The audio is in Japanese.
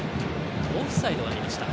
オフサイドがありました。